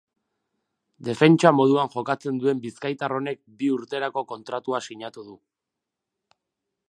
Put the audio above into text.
Defentsa moduan jokatzen duen bizkaitar honek bi urterako kontratua sinatu du.